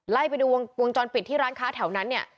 ไล่ไปดูวงจรปิดที่ร้านค้าแถวนั้นเนี่ย